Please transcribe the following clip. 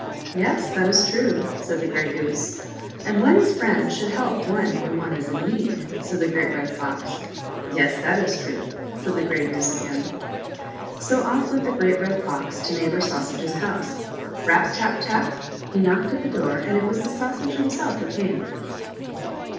" Yes, that is true," said the Grey Goose. " And one's friend should help one when one is in need," said the great Red Fox. " Yes, that is true," said the Grey Goose again. So off went the Great Red Fox to Neighbor Sausage's house. Rap ! tap ! tap ! he knocked at the door, and it was the Sausage himself who came.